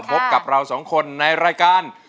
พบกับเราสองคนในรายการ